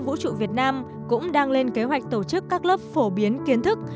vũ trụ việt nam cũng đang lên kế hoạch tổ chức các lớp phổ biến kiến thức